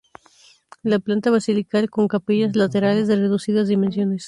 La planta basilical con capillas laterales de reducidas dimensiones.